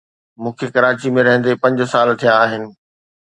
مون کي ڪراچي ۾ رھندي پنج سال ٿيا آھن.